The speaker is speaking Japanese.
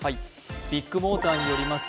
ビッグモーターによります